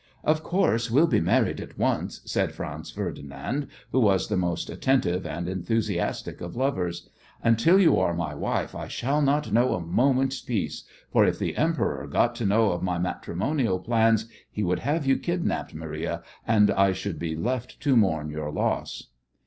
"Of course, we'll be married at once," said Franz Ferdinand, who was the most attentive and enthusiastic of lovers. "Until you are my wife I shall not know a moment's peace, for if the Emperor got to know of my matrimonial plans he would have you kidnapped, Maria, and I should be left to mourn your loss."